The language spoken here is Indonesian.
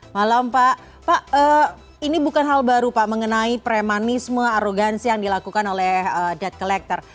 malam pak ini bukan hal baru pak mengenai premanisme arogansi yang dilakukan oleh debt collector